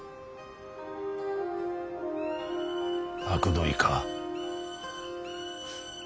あくどいか。